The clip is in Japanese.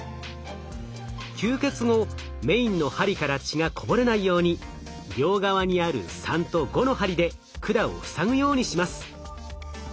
吸血後メインの針から血がこぼれないように両側にある３と５の針で管を塞ぐようにします。